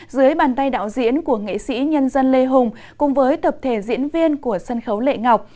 dưới bàn tay đạo diễn của nghệ sĩ nhân dân lê hùng cùng với tập thể diễn viên của sân khấu lệ ngọc